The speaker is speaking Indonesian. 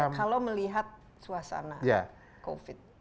kalau melihat suasana covid